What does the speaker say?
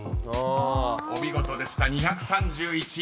［お見事でした「２３１」］